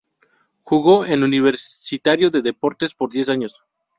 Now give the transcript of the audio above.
Jugó en Universitario de Deportes por diez años.